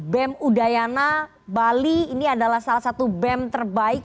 bem udayana bali ini adalah salah satu bem terbaik